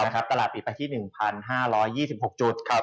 ตลาดปิดไปที่๑๕๒๖จุด